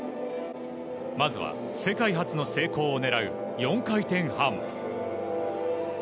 まずは世界初の成功を狙う４回転半。